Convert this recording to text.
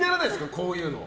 こういうの。